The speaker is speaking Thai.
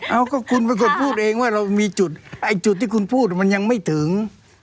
เอาก็คุณเป็นคนพูดเองว่าเรามีจุดไอ้จุดที่คุณพูดมันยังไม่ถึง